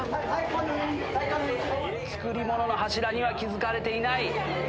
作り物の柱には気付かれていない。